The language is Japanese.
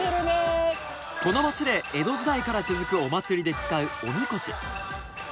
この街で江戸時代から続くお祭りで使うおみこし。